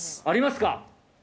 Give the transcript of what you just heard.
ありますか？